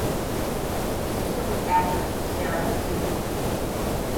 Her sister was actress Sarah Siddons.